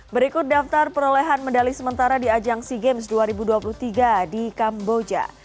berikut daftar perolehan medali sementara di ajang sea games dua ribu dua puluh tiga di kamboja